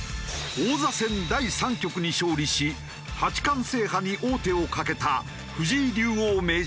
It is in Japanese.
王座戦第３局に勝利し八冠制覇に王手をかけた藤井竜王・名人。